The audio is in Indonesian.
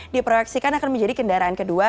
diproyeksikan akan menjadi kendaraan kedua